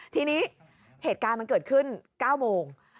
ทีนี้เหตุการณ์มันเกิดขึ้น๙โมง